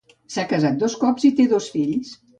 S'ha casat dos cops i té dos fills.